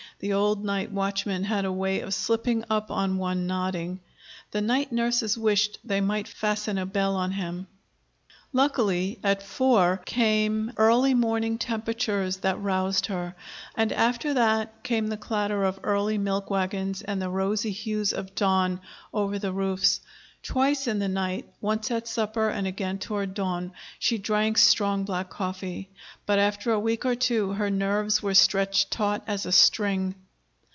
The old night watchman had a way of slipping up on one nodding. The night nurses wished they might fasten a bell on him! Luckily, at four came early morning temperatures; that roused her. And after that came the clatter of early milk wagons and the rose hues of dawn over the roofs. Twice in the night, once at supper and again toward dawn, she drank strong black coffee. But after a week or two her nerves were stretched taut as a string.